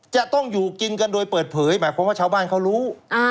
จะต้องอยู่กินกันโดยเปิดเผยหมายความว่าชาวบ้านเขารู้